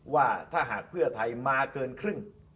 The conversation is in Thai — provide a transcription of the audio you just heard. ว่าถ้าหากเพื่อไทยมาเกินครึ่ง